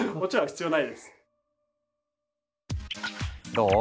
どう？